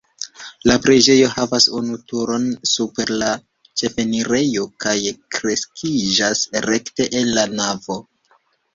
La preĝejo havas unu turon super la ĉefenirejo kaj kreskiĝas rekte el la navo.